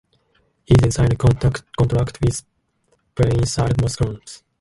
He then signed a contract with Belgian side Mouscron.